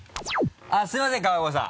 あっすいません川越さん。